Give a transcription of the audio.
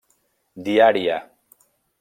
Diària.